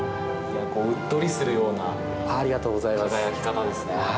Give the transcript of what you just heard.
うっとりするような輝き方ですね。